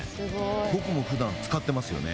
僕もふだん使ってますよね